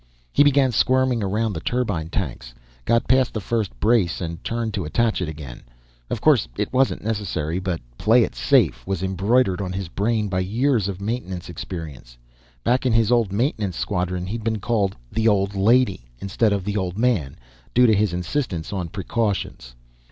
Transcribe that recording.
He began squirming around the turbine tanks, got past the first brace, and turned to attach it again. Of course it wasn't necessary, but "PLAY IT SAFE" was embroidered on his brain by years of maintenance experience; back in his old maintenance squadron, he'd been called "the old lady" instead of "the old man," due to his insistence on precautions.